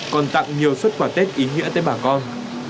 còn tặng nhiều xuất quả tết ý nghĩa tới bà con